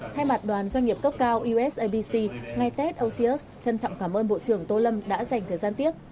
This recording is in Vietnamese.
thay mặt đoàn doanh nghiệp cấp cao usabc ngày tết oxyos trân trọng cảm ơn bộ trưởng tô lâm đã dành thời gian tiếp